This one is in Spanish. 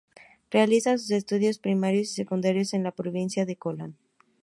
Realiza sus estudios primarios y secundarios en la provincia de Colón.